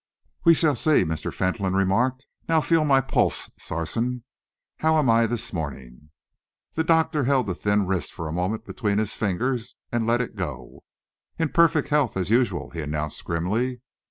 "We shall see," Mr. Fentolin remarked. "Now feel my pulse, Sarson. How am I this morning?" The doctor held the thin wrist for a moment between his fingers, and let it go. "In perfect health, as usual," he announced grimly.